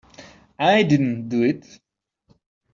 I didn't do it.